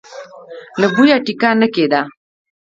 له بويه ټېکه نه کېده.